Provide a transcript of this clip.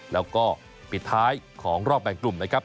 แล้วก็ปิดท้ายของรอบแบ่งกลุ่มนะครับ